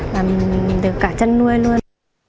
làm được cả chân nuôi luôn